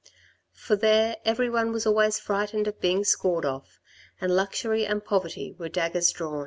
For there everyone was always frightened of being scored off, and luxury and poverty were at daggers drawn.